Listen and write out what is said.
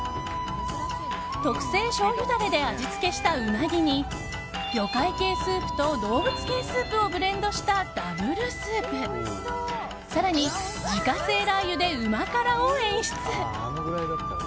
特製しょうゆダレで味付けしたウナギに魚介系スープと動物系スープをブレンドしたダブルスープ更に自家製ラー油で旨辛を演出。